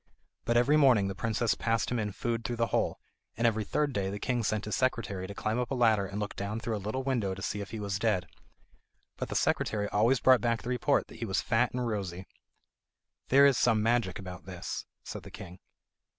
But every morning the princess passed him in food through the hole, and every third day the king sent his secretary to climb up a ladder and look down through a little window to see if he was dead. But the secretary always brought back the report that he was fat and rosy. "There is some magic about this," said the king.